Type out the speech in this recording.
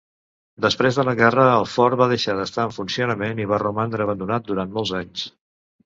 Després de la guerra, el fort va deixar d'estar en funcionament i va romandre abandonat durant molts anys.